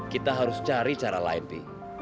kita harus cari cara lain